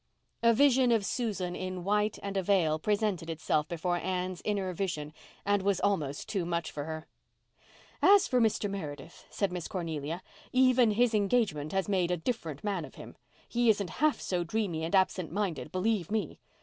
A vision of Susan in "white and a veil" presented itself before Anne's inner vision and was almost too much for her. "As for Mr. Meredith," said Miss Cornelia, "even his engagement has made a different man of him. He isn't half so dreamy and absent minded, believe me.